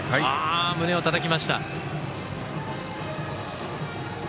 胸をたたいていました。